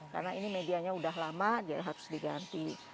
karena ini medianya udah lama dia harus diganti